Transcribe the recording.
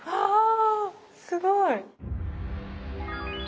すごい。